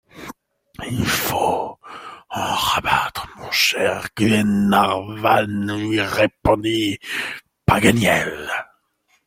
Il faut en rabattre, mon cher Glenarvan, lui répondit Paganel.